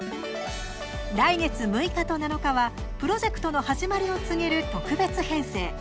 来月６日と７日はプロジェクトの始まりを告げる特別編成。